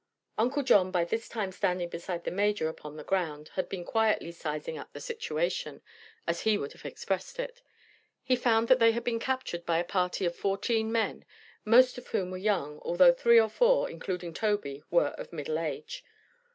Uncle John, by this time standing beside the Major upon the ground, had been quietly "sizing up the situation," as he would have expressed it. He found they had been captured by a party of fourteen men, most of whom were young, although three or four, including Tobey, were of middle age.